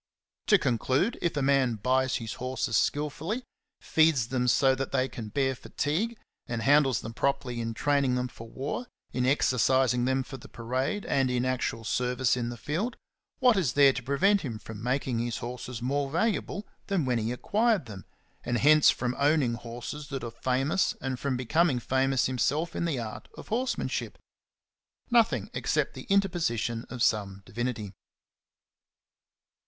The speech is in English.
5^ To conclude, if a man buys his horses skilfully, feeds them so that they can bear fatigue, and handles them properly in training them for war, in exercising them for the parade and in actual service in the field, what is there to prevent him from making his horses more valuable than when he acquired them, and hence from owning horses that are famous and from becoming famous himself in the art of horsemanship? Nothing except the interposition of some divinity.